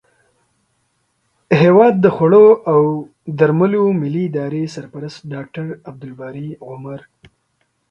هیواد د خوړو او درملو ملي ادارې سرپرست ډاکټر عبدالباري عمر